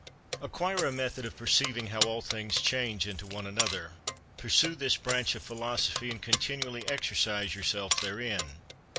11. Acquire a method of perceiving how all things change into one another. Pursue this branch of Philosophy and continually exercise yourself therein.